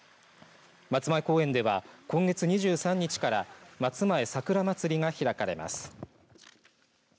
松前公園では、今月２３日から松前さくらまつりが開かれます。